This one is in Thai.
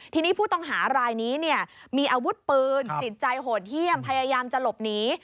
ทีนี้ผู้ต้องหารายนี้มีอาวุธปืนจิตใจโหดเยี่ยมพยายามจะหลบหนี